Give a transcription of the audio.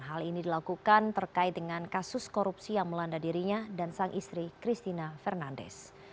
hal ini dilakukan terkait dengan kasus korupsi yang melanda dirinya dan sang istri christina fernandes